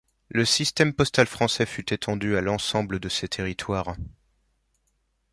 Le système postal français fut étendu à l'ensemble de ces territoires.